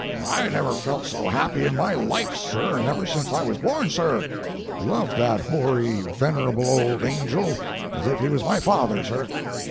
"I never felt so happy in my life, sir—never since I was born, sir. Loved that hoary, venerable old angel as if he was my father, sir.